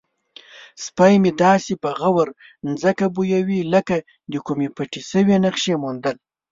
سپی مې داسې په غور ځمکه بویوي لکه د کومې پټې شوې نقشې موندل.